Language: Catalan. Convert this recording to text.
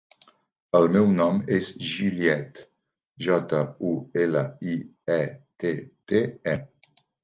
El meu nom és Juliette: jota, u, ela, i, e, te, te, e.